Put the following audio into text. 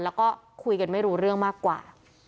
แล้วก็คุยกันไม่รู้เรื่องมากกว่า